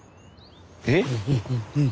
えっ？